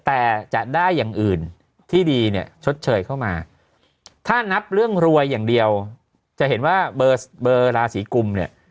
แต่จะได้อย่างอื่นที่ดีเนี่ยชดเชยเข้ามาถ้านับเรื่องรวยอย่างเดียวจะเห็นว่าเบอร์ราศีกุมเนี่ย